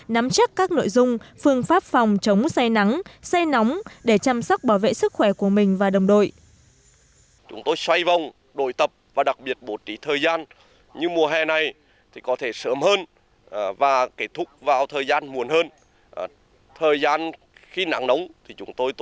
nắm chắc các nội dung phương pháp phòng chống xe nắng xe nóng để chăm sóc bảo vệ sức khỏe của mình và đồng đội